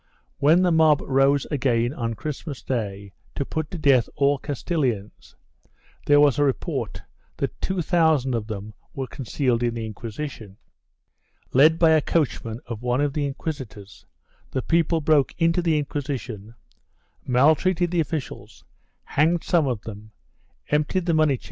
When the mob rose again on Christmas day, to put to death all Cas tilians, there was a report that two thousand of them were con cealed in the Inquisition. Led by a coachman of one of the inquisitors, the people broke into the Inquisition, maltreated the officials, hanged some of them, emptied the money chests and 1 Archive hist, nacional, Inquisicion de Valencia, Leg.